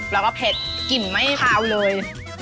แล้วก็เผ็ดกลิ่นไม่คาวเลย